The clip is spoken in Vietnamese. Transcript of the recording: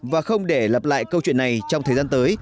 và không để lặp lại câu chuyện này trong thời gian tới